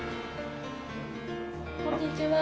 こんにちは。